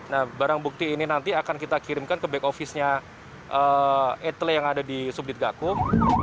nah barang bukti ini nanti akan kita kirimkan ke back office nya etele yang ada di subdit gakum